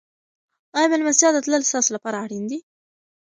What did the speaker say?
آیا مېلمستیا ته تلل ستاسو لپاره اړین دي؟